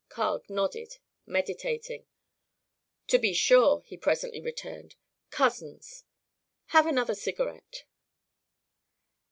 Carg nodded, meditating. "To be sure," he presently returned; "cousins. Have another cigarette."